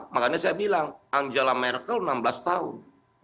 makanya saya bilang angela merkel enam belas tahun